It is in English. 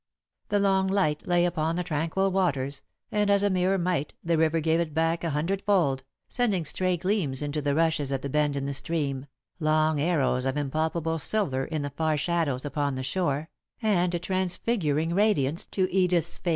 The long light lay upon the tranquil waters, and, as a mirror might, the river gave it back a hundred fold, sending stray gleams into the rushes at the bend in the stream, long arrows of impalpable silver into the far shadows upon the shore, and a transfiguring radiance to Edith's face.